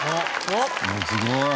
すごい！